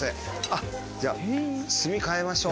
あっじゃあ炭換えましょう。